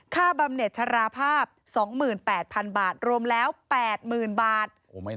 บำเน็ตชราภาพ๒๘๐๐๐บาทรวมแล้ว๘๐๐๐บาท